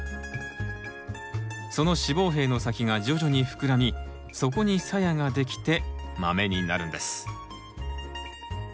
その子房柄の先が徐々に膨らみそこにサヤができてマメになるんです。